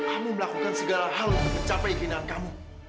kamu melakukan segala hal untuk mencapai keindahan kamu